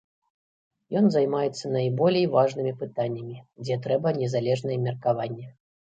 Ён займаецца найболей важнымі пытаннямі, дзе трэба незалежнае меркаванне.